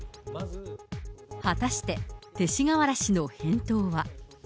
果たして、勅使河原氏の返答は。